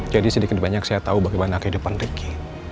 jadi sedikit banyak saya tahu bagaimana kehidupan ricky